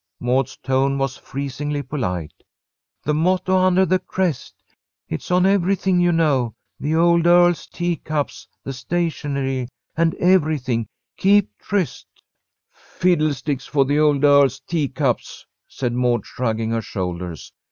Maud's tone was freezingly polite. "The motto under the crest. It's on everything you know, the old earl's teacups, the stationery, and everything 'Keep tryst.'" "Fiddlesticks for the old earl's teacups!" said Maud, shrugging her shoulders.